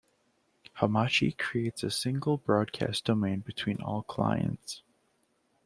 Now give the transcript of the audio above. Hamachi creates a single broadcast domain between all clients.